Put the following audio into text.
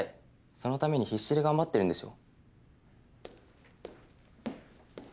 そのために必死で頑張ってるんでしょ？